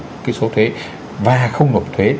cái số thuế và không nộp thuế